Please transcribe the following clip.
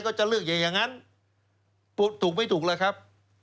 ก็จะเลือกอย่างนั้นพูดถูกไม่ถูกแล้วครับ